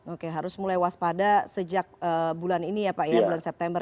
oke harus mulai waspada sejak bulan ini ya pak ya bulan september